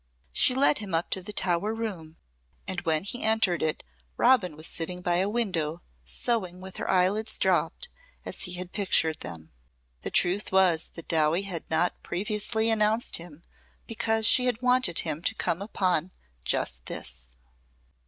She led him up to the Tower room and when he entered it Robin was sitting by a window sewing with her eyelids dropped as he had pictured them. The truth was that Dowie had not previously announced him because she had wanted him to come upon just this.